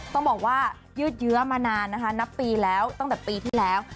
ต้องบอกว่ายืดเยื้อมานานนะคะนับปีแล้วตั้งแต่ปีที่แล้ว